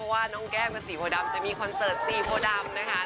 อย่างงี้ฝากทุกคนเป็นกำลังใจให้แก้มต่อไปด้วยนะคะ